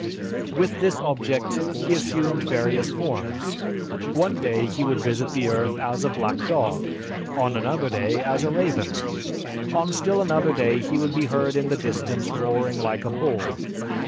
With this object, he assumed various forms. One day he would visit the earth as a black dog, on another day as a raven, on still another day he would be heard in the distance roaring like a bull.